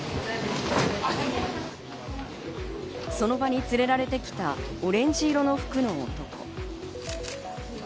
その場に連れられてきたオレンジ色の服の男。